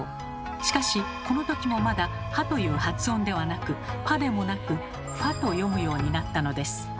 しかしこのときもまだ「は」という発音ではなく「ぱ」でもなく「ふぁ」と読むようになったのです。